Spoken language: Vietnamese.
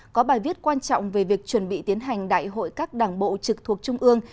có bài viết quan trọng về việc chuẩn bị tiến hành đại hội các đảng bộ trực thuộc trung ương